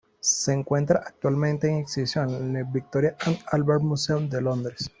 Se encuentra actualmente en exhibición en el Victoria and Albert Museum de Londres.